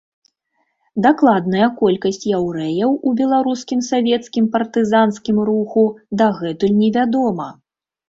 Дакладная колькасць яўрэяў у беларускім савецкім партызанскім руху дагэтуль невядома.